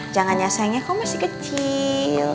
jangan ya sayangnya kau masih kecil